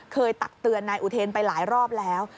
ตักเตือนนายอุเทนไปหลายรอบแล้ว